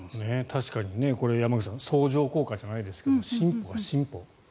確かにこれ、山口さん相乗効果じゃないですけど進歩は進歩。